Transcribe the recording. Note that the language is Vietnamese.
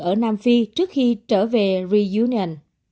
ở nam phi trước khi trở về reunion